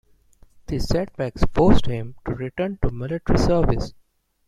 These setbacks forced him to return to military service.